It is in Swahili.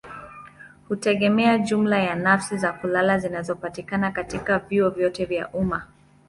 hutegemea jumla ya nafasi za kulala zinazopatikana katika vyuo vyote vya umma.